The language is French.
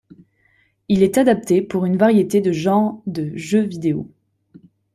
Il est adapté pour une variété de genres de jeux vidéo.